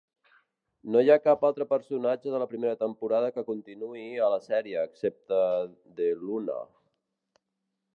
No hi ha cap altre personatge de la primera temporada que continuï a la sèrie, excepte DeLuna.